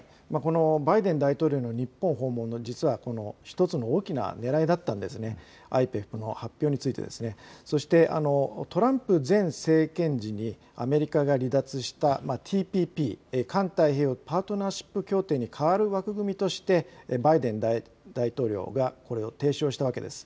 バイデン大統領の日本訪問、実は１つの大きなねらいだったんです、ＩＰＥＦの発表について、そしてトランプ前政権時にアメリカが離脱したＴＰＰ・環太平洋パートナーシップ協定に代わる枠組みとしてバイデン大統領がこれを提唱したわけです。